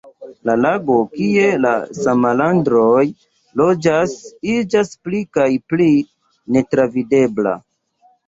La lago kie la salamandroj loĝas iĝas pli kaj pli netravidebla.